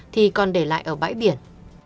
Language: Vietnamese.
thì còn để lại ở bãi biển